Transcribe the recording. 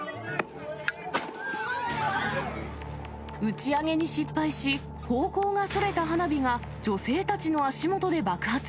打ち上げに失敗し、方向がそれた花火が女性たちの足元で爆発。